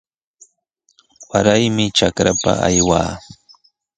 Waraymi trakapa aywaa.